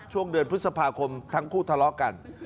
ช่วงเดือนพฤษภาคมทั้งคู่ทะเลาะกัน